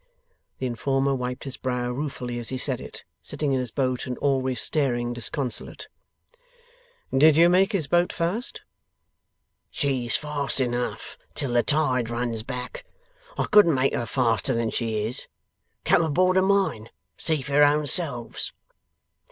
The informer wiped his brow ruefully as he said it, sitting in his boat and always staring disconsolate. 'Did you make his boat fast?' 'She's fast enough till the tide runs back. I couldn't make her faster than she is. Come aboard of mine, and see for your own selves.